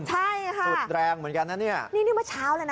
ใช่ค่ะสุดแรงเหมือนกันนะเนี่ยนี่นี่เมื่อเช้าเลยนะ